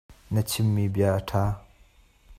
Na chimmi bia a ṭha .